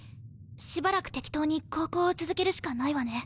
しばらく適当に航行を続けるしかないわね。